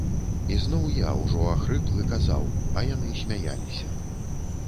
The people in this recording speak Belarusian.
І зноў я, ужо ахрыплы, казаў, а яны смяяліся.